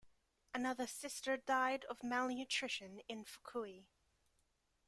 Another sister died of malnutrition in Fukui.